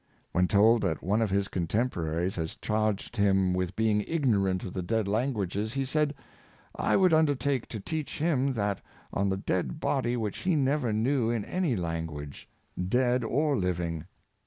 When told that one of his contemporaries had charged him with being ignorant of the dead languages, he said, " I would undertake to teach him that on the dead body which he never knew in any language, dead or living.''